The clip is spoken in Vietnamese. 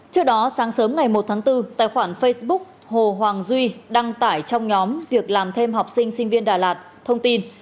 trước đó sáng sớm ngày một tháng bốn tài khoản facebook hồ hoàng duy đăng tải trong nhóm việc làm thêm học sinh sinh viên đà lạt thông tin